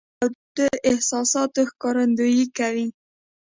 ګیلاس د تودو احساساتو ښکارندویي کوي.